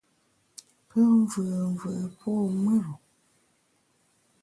Pe mvùùmvù po mùr-u.